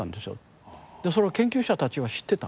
でそれを研究者たちは知ってた。